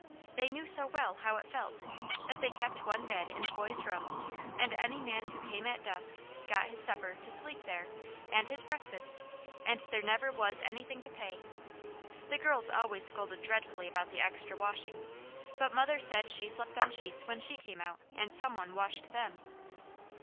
They knew so well how it felt, that they kept one bed in the boys' room, and any man who came at dusk got his supper, to sleep there, and his breakfast, and there never was anything to pay. The girls always scolded dreadfully about the extra washing, but mother said she slept on sheets when she came out, and some one washed them.